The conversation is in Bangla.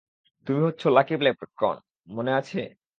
তুমি হচ্ছো লাকি ল্যাপ্রেকন, মনে আছে?